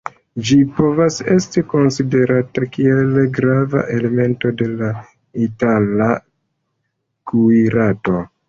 Ĝi povas esti konsiderata kiel grava elemento de la Itala kuirarto.